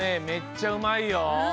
めっちゃうまいよ。